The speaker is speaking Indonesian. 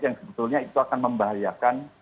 yang sebetulnya itu akan membahayakan